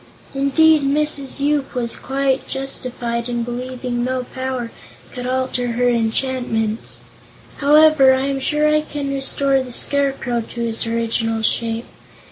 Indeed, Mrs. Yoop was quite justified in believing no power could alter her enchantments. However, I am sure I can restore the Scarecrow to his original shape.